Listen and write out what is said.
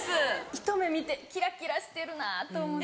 ひと目見てキラキラしてるなと思って。